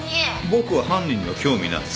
僕は犯人には興味ない。